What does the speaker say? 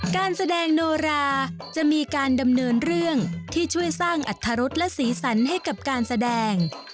การแสดงโนราจะมีการดำเนินเรื่องที่ช่วยสร้างอัตรรสและสีสันให้กับการแสดง